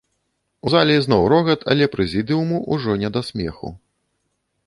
У зале ізноў рогат, але прэзідыуму ўжо не да смеху.